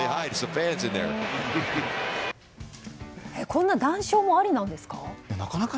こんな談笑もありなんですか？